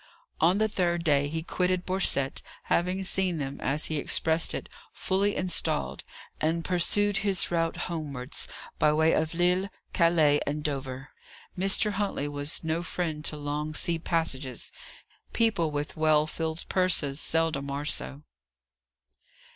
On the third day he quitted Borcette, having seen them, as he expressed it, fully installed, and pursued his route homewards, by way of Lille, Calais, and Dover. Mr. Huntley was no friend to long sea passages: people with well filled purses seldom are so.